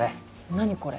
何これ？